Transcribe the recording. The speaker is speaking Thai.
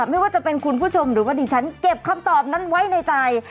ไม่ว่าจะเป็นคุณผู้ชมหรือว่าดิฉันเก็บคำตอบนั้นไว้ในใจ